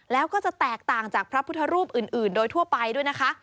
แล้วก็จะแตกต่างจากพระพุทธรูปอื่นโดยทั่วไปด้วยนะคะ